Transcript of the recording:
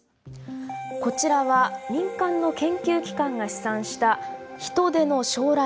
こちらは民間の研究機関が試算した「人手の将来予測」。